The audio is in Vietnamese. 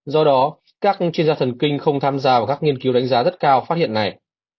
do đó các chuyên gia thần kinh không tham gia vào các nghiên cứu đánh giá rất cao phát hiện này